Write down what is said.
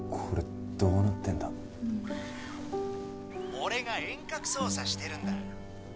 俺が遠隔操作してるんだ。